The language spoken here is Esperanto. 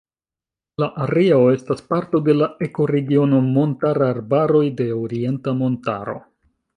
La areo estas parto de la ekoregiono Montararbaroj de Orienta Montaro.